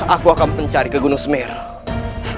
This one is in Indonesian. aku akan mencari ke gunung semeru